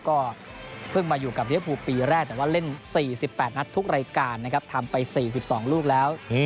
ก็เพิ่งมาอยู่กับริวภูปีแรกแต่ว่าเล่น๔๘นัดทุกรายการนะครับทำไป๔๒ลูกแล้ว